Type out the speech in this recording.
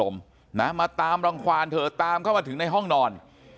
มาตามรังความเธอตามเข้ามาถึงในห้องนอน